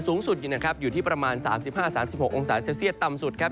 สูงสุดอยู่ที่ประมาณ๓๕๓๖องศาเซลเซียต่ำสุดครับ